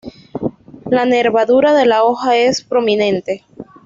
La nervadura de la hoja es prominente.